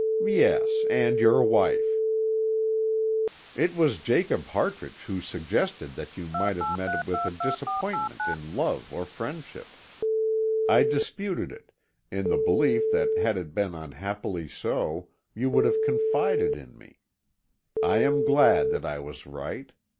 "Yes, and your wife." "It was Jacob Hartrich who suggested that you might have met with a disappointment in love or friendship. I disputed it, in the belief that had it been unhappily so you would have confided in me. I am glad that I was right.